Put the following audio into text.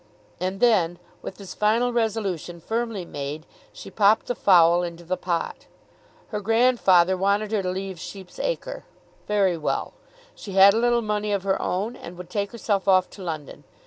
And then, with this final resolution firmly made, she popped the fowl into the pot. Her grandfather wanted her to leave Sheep's Acre. Very well. She had a little money of her own, and would take herself off to London.